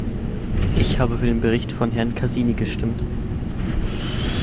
Ich habe für den Bericht von Herrn Casini gestimmt.